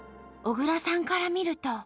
小倉さんから見ると。